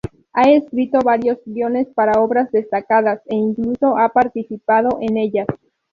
Ha escrito varios guiones para obras destacadas e incluso ha participado en ellas.